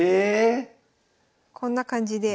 ええ⁉こんな感じで。